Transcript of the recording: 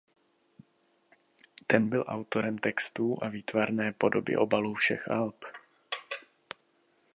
Ten byl autorem textů a výtvarné podoby obalů všech alb.